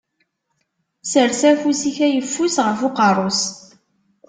Sers afus-ik ayeffus ɣef uqerru-s.